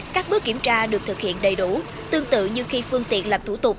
các bước kiểm tra được thực hiện đầy đủ tương tự như khi phương tiện làm thủ tục